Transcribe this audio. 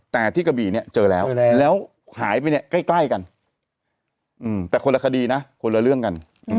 แต่ที่กระบี่เนี่ยเจอแล้วแล้วหายไปเนี่ยใกล้กันแต่คนละคดีนะคนละเรื่องกัน